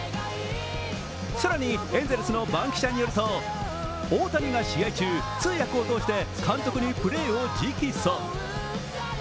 更にエンゼルスの番記者によるとオオタニが試合中、通訳を通して監督にプレーを直訴。